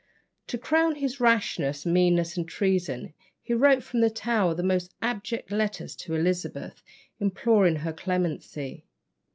To crown his rashness, meanness, and treason, he wrote from the Tower the most abject letters to Elizabeth, imploring her clemency.